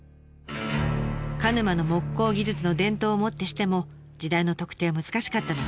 鹿沼の木工技術の伝統をもってしても時代の特定は難しかったのです。